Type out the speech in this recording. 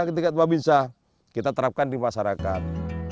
ketika babinsa kita terapkan di masyarakat